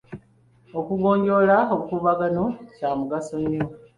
Okugonjoola obukuubagano kya mugaso nnyo.